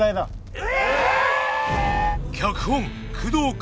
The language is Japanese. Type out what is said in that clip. え！